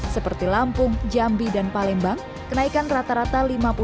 seperti lampung jambi dan palembang kenaikan rata rata lima puluh